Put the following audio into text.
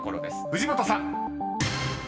［藤本さん］